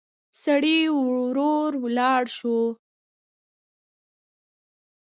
سړی ورو ولاړ شو.